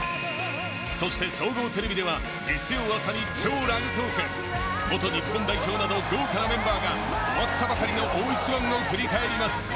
そして、総合テレビでは月曜の朝に「＃超ラグトーク」元日本代表など豪華メンバーが終わったばかりの大一番を振り返ります。